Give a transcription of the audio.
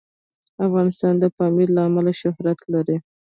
افغانستان د پامیر له امله شهرت لري.